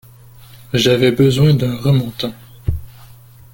J’avais besoin d’un remontant.